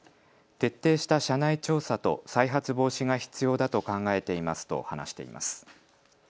徹底した社内調査と再発防止が必要だと考えていますと話しています。